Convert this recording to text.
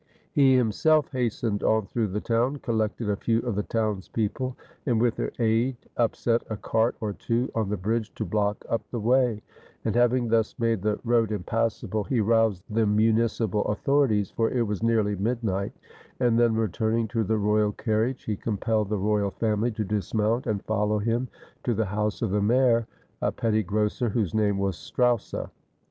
He himself hastened on through the town, collected a few of the townspeople, and with their aid upset a cart or two on the bridge to block up the way; and, having thus made the road impassable, he roused the municipal authorities, for it was nearly midnight, and then, return ing to the royal carriage, he compelled the royal family 300 THE FLIGHT OF LOUIS XVI to dismount and follow him to the house of the mayor, a petty grocer, whose name was Strausse.